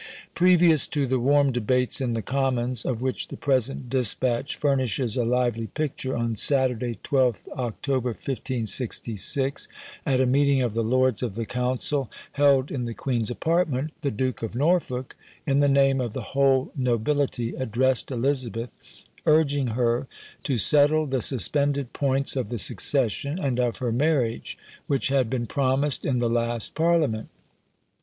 Previous to the warm debates in the commons, of which the present despatch furnishes a lively picture, on Saturday, 12th October, 1566, at a meeting of the lords of the council, held in the queen's apartment, the Duke of Norfolk, in the name of the whole nobility, addressed Elizabeth, urging her to settle the suspended points of the succession, and of her marriage, which had been promised in the last parliament.